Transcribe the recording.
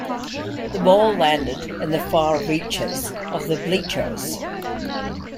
The ball landed in the far reaches of the bleachers.